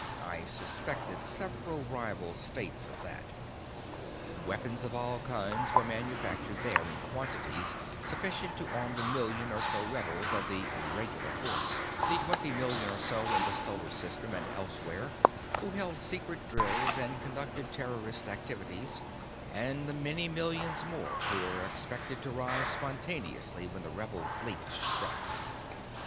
I suspected several rival states of that! Weapons of all kinds were manufactured there in quantities sufficient to arm the million or so rebels of the "regular" force, the twenty million or so in the Solar System and elsewhere who held secret drills and conducted terrorist activities, and the many millions more who were expected to rise spontaneously when the rebel fleet struck.